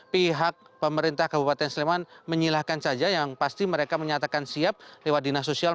pihak pemerintah kabupaten sleman menyilahkan saja yang pasti mereka menyatakan siap lewat dinas sosial